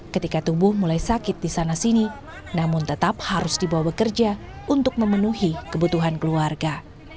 ketika tumbuh mulai sakit di sana sini namun tetap harus dibawa bekerja untuk memenuhi kebutuhan keluarga